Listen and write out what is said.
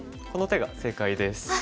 この手が正解です。